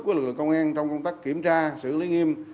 của lực lượng công an trong công tác kiểm tra xử lý nghiêm